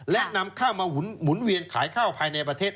และนำข้าวมาหมุนเวียนขายข้าวภายในประเทศ